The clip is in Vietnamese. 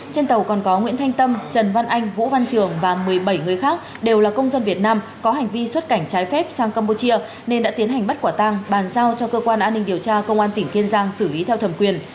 trên tàu còn có nguyễn thanh tâm trần văn anh vũ văn trường và một mươi bảy người khác đều là công dân việt nam có hành vi xuất cảnh trái phép sang campuchia nên đã tiến hành bắt quả tang bàn giao cho cơ quan an ninh điều tra công an tỉnh kiên giang xử lý theo thẩm quyền